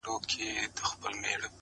زهره چاودي به لستوڼي کي ماران سي!!